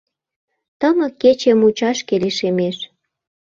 Тымык кече мучашке лишемеш.